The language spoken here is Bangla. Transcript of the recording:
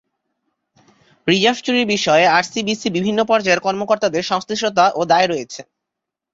রিজার্ভ চুরির বিষয়ে আরসিবিসির বিভিন্ন পর্যায়ের কর্মকর্তাদের সংশ্লিষ্টতা ও দায় রয়েছে।